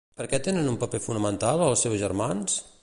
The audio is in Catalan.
Per què tenen un paper fonamental els seus germans?